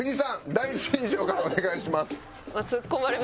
第一印象からお願いします。